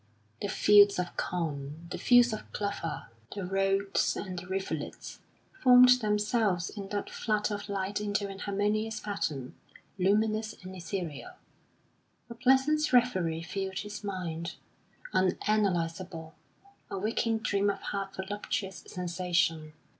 The fields of corn, the fields of clover, the roads and the rivulets, formed themselves in that flood of light into an harmonious pattern, luminous and ethereal. A pleasant reverie filled his mind, unanalysable, a waking dream of half voluptuous sensation.